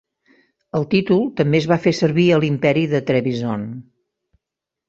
El títol també es va fer servir a l'Imperi de Trebizond.